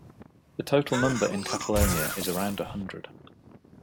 The total number in Catalonia is around a hundred.